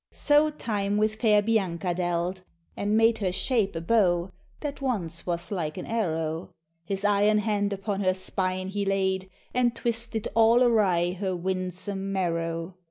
So Time with fair Bianca dealt, and made Her shape a bow, that once was like an arrow; His iron hand upon her spine he laid, And twisted all awry her "winsome marrow."